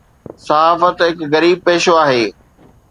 صحافت هڪ غريب پيشو هو.